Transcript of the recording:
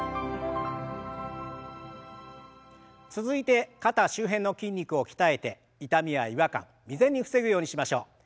続いて肩周辺の筋肉を鍛えて痛みや違和感未然に防ぐようにしましょう。